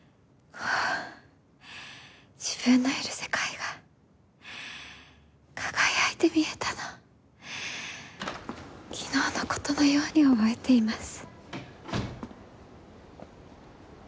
自分のいる世界が輝いて見えたのを昨日のことのように覚えています。